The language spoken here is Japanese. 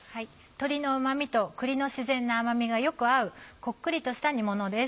鶏のうまみと栗の自然な甘みがよく合うこっくりとした煮ものです。